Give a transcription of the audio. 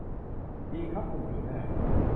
ดีครับคุณจูน่า